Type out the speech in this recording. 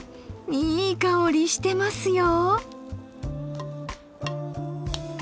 いい香りしてますよ。